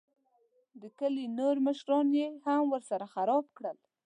د کلي نور ماشومان یې هم ورسره خراب کړل.